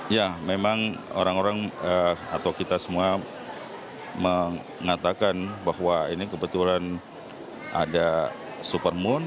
ya memang orang orang atau kita semua mengatakan bahwa ini kebetulan ada supermoon